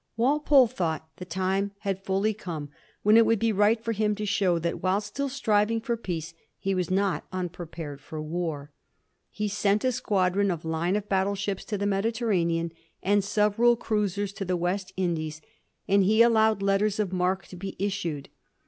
Walpole thought the time had fully come when it would be right for him to show that, while still striving for peace, he was not unprepared for war. He sent a squadron of line of battle ships to the Mediterranean and several cruisers to the West Indies, and he allowed letters of marque to be issued.